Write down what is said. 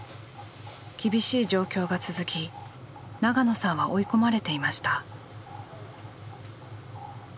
厳しい状況が続き長野さんは追い込まれていました。